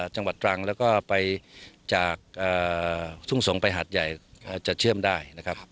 จังหวัดตรังแล้วก็ไปจากทุ่งสงศ์ไปหาดใหญ่อาจจะเชื่อมได้นะครับ